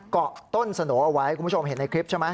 เกาะต้นสโนเอาไว้คุณผู้ชมเห็นในคลิปใช่ไหม